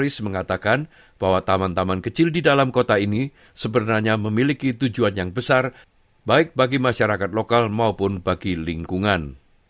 sebenarnya memiliki tujuan yang besar baik bagi masyarakat lokal maupun bagi lingkungan